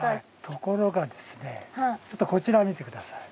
ところがですねちょっとこちらを見て下さい。